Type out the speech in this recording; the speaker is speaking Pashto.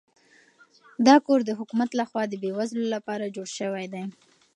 دا کور د حکومت لخوا د بې وزلو لپاره جوړ شوی دی.